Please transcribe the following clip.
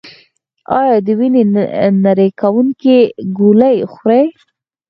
ایا د وینې نری کوونکې ګولۍ خورئ؟